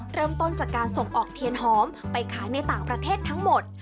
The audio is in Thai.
เริ่มต้นจากการส่งออกเทียนหอมไปขายในต่างประเทศทั้งหมด